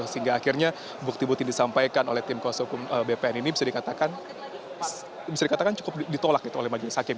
sehingga akhirnya bukti bukti yang disampaikan oleh tim kuasa hukum bpn ini bisa dikatakan bisa dikatakan cukup ditolak oleh majelis hakim